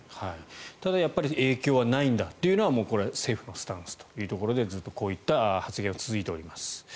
ただ影響はないんだというのは政府のスタンスというところでずっとこういった発言が続いております。